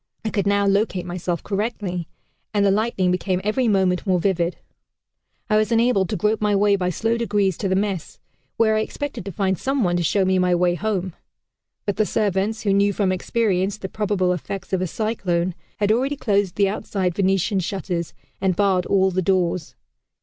I could now locate myself correctly, and the lightning becoming every moment more vivid, I was enabled to grope my way by slow degrees to the mess, where I expected to find some one to show me my way home; but the servants, who knew from experience the probable effects of a cyclone, had already closed the outside Venetian shutters and barred all the doors.